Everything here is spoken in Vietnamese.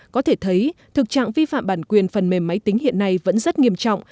có thể thấy thực trạng vi phạm bản quyền phần mềm máy tính hiện nay vẫn rất nghiêm trọng